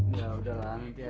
udah lah nanti aja